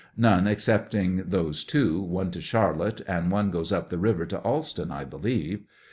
None excepting those two, one to Charlotte, and one goes up the river to Alston, I believe.